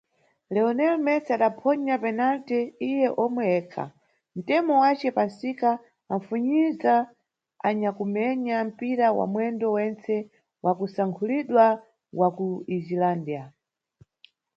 Leonel Messi adaphonya penalty, iye omwe yekha, ntemo wace pansika anfunyiza anyakumenya mpira wa mwendo wentse wa kusankhulidwa wa kuIslândia.